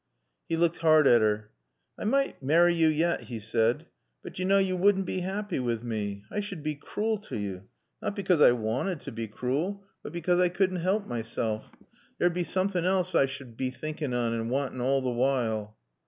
He looked hard at her. "I might marry yo' yat," he said. "But yo' knaw you wouldn' bae happy wi' mae. I sud bae crool t' yo'. Nat because I wanted t' bae crool, but because I couldn' halp mysel. Theer'd bae soomthin' alse I sud bae thinkin' on and wantin' all t' while."